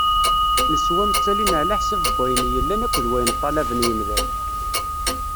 Leswam ttalin ɛla ḥsab n wayen yellan akked wayen ṭṭalaben yimdanen.